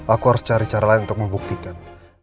aku harus cari cara lain untuk membuktikan